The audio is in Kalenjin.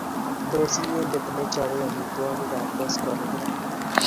Tos inyendet nechopei amitwokikab kosgoleny ra?